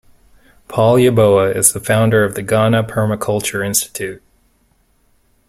Paul Yeboah is the founder of the Ghana Permaculture Institute.